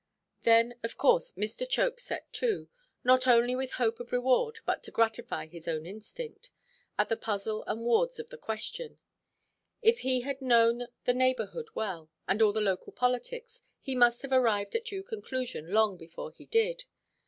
Then, of course, Mr. Chope set to, not only with hope of reward, but to gratify his own instinct, at the puzzle and wards of the question. If he had known the neighbourhood well, and all the local politics, he must have arrived at due conclusion long before he did.